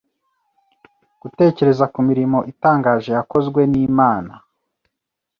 gutekereza ku mirimo itangaje yakozwe n’Imana